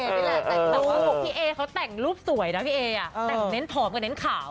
แต่พี่เอเขาแต่งรูปสวยนะแต่งเน้นผสมกับเน้นขาว